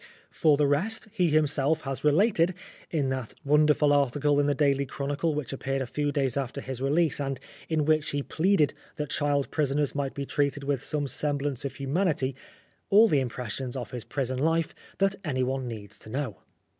For the rest, he himself has related, in that wonderful article in the Daily Chronicle which appeared a few weeks after his release, and in which he pleaded that child prisoners might be treated with some semblance of humanity, all the impressions of his prison life that anyone needs to know.